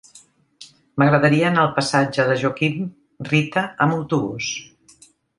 M'agradaria anar al passatge de Joaquim Rita amb autobús.